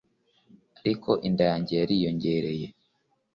ariko inda yanjye yariyongereye